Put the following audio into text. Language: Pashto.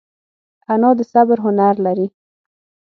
انا د صبر هنر لري